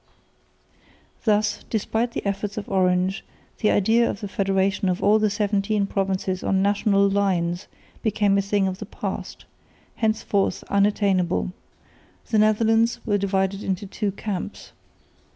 Thus, despite the efforts of Orange, the idea of the federation of all the seventeen provinces on national lines became a thing of the past, henceforth unattainable. The Netherlands were divided into two camps.